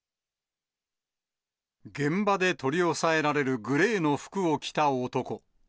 現場で取り押さえられる、グレーの服を着た男。